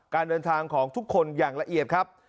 การเดินทางของทุกคนอย่างละเอียดครับ